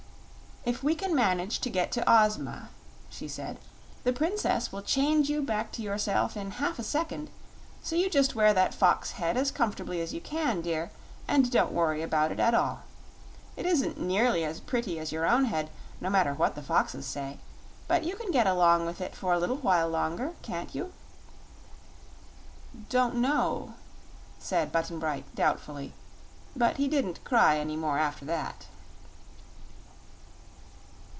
"If we can manage to get to Ozma," she said, "the Princess will change you back to yourself in half a second; so you just wear that fox head as comf't'bly as you can, dear, and don't worry about it at all. It isn't nearly as pretty as your own head, no matter what the foxes say; but you can get along with it for a little while longer, can't you?" "Don't know," said Button Bright, doubtfully; but he didn't cry any more after that.